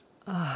ああ。